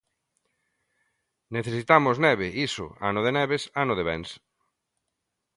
Necesitamos neve, iso, ano de neves ano de bens.